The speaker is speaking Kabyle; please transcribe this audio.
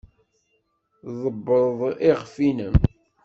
Tḍebbred iɣef-nnem.